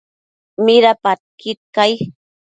Midapadquid cai?